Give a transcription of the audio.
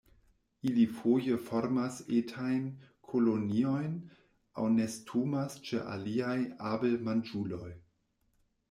Ili foje formas etajn koloniojn, aŭ nestumas ĉe aliaj abelmanĝuloj.